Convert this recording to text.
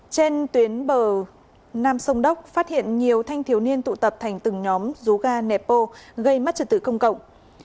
trên tuyến bờ nam sông đốc phát hiện nhiều thanh thiếu niên tụ tập thành từng nhóm rú ga nẹp bô gây mất trật tự công cộng